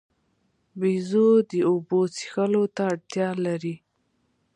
بیزو د اوبو څښلو ته اړتیا لري.